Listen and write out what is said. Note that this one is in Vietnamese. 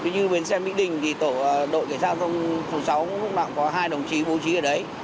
như bến xe mỹ đình thì đội kẻ sát thông phố sáu cũng có hai đồng chí bố trí ở đấy